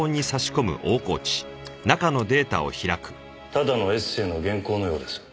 ただのエッセーの原稿のようです。